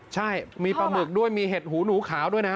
ใช่มีปลาหมึกด้วยมีเห็ดหูหนูขาวด้วยนะ